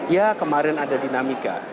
ya kemarin ada dinamika